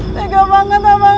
tega banget abang